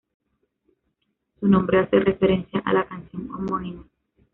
Su nombre hace referencia a la canción homónima.